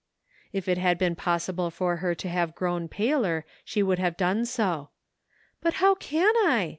If it had been possible for her to have grown paler, she would have done so. " But how can I?"